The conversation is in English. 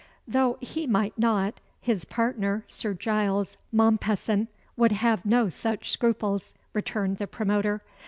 "Though he might not, his partner, Sir Giles Mompesson, would have no such scruples," returned the promoter.